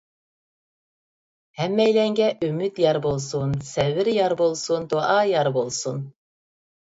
ھەممەيلەنگە ئۈمىد يار بولسۇن، سەۋر يار بولسۇن، دۇئا يار بولسۇن!